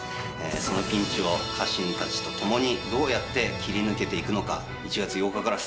そのピンチを家臣たちと共にどうやって切り抜けていくのか。